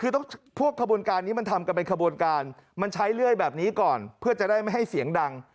คือต้องพวกขบวนการนี้มันทำกันเป็นขบวนการมันใช้เลื่อยแบบนี้ก่อนเพื่อจะได้ไม่ให้เสียงดัง